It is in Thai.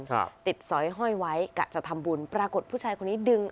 ครับติดสอยห้อยไว้กะจะทำบุญปรากฏผู้ชายคนนี้ดึง